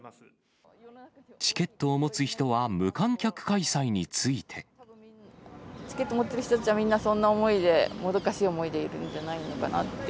チケットを持つ人は、無観客開催について。チケット持ってる人たちはみんなそんな思いで、もどかしい思いでいるんじゃないのかなって。